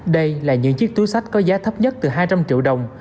đây là những chiếc túi sách có giá thấp nhất từ hai trăm linh triệu đồng